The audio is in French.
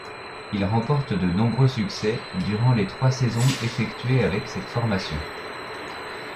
Il remporte de nombreux succès durant les trois saisons effectuées avec cette formation.